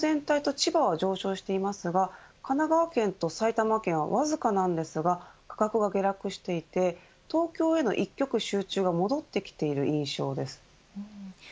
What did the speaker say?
東京全体と千葉は上昇していますが神奈川県と埼玉県はわずかなんですが価格が下落していて東京への一極集中が戻ってきている印象です。